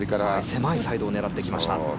狭いサイドを狙っていきました。